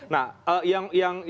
nah yang anda